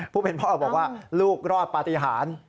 ผู้เป็นพ่อบอกว่าลูกรอดปฏิหาร